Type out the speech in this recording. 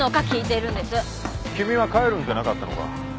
君は帰るんじゃなかったのか？